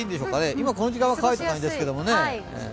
今この時間は乾いている感じですけどね。